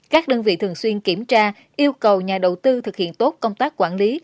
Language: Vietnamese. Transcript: các đơn vị thường xuyên kiểm tra yêu cầu nhà đầu tư thực hiện tốt công tác quản lý